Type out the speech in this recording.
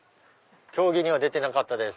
競技には出てなかったです。